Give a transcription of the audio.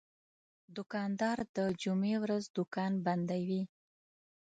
دوکاندار د جمعې ورځ دوکان بندوي.